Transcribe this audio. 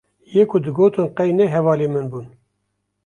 yê ku digotin qey ne hevalê min bûn